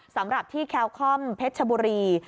สำหรับที่แคลคอมเพชรชบุรี